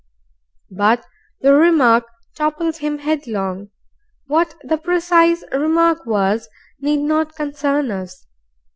But the remark toppled him headlong. What the precise remark was need not concern us.